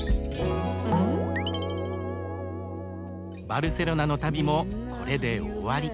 バルセロナの旅もこれで終わり。